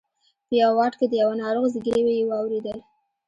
په یوه واټ کې د یوه ناروغ زګېروی یې واورېدل.